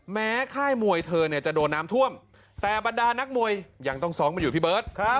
ค่ายมวยเธอเนี่ยจะโดนน้ำท่วมแต่บรรดานักมวยยังต้องซ้อมมาอยู่พี่เบิร์ต